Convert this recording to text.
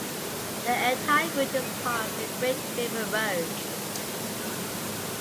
The entire route is part of the Great River Road.